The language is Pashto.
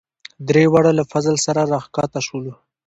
دریواړه له فضل سره راکښته شولو.